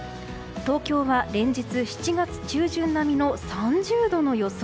東京は連日、７月中旬並みの３０度の予想。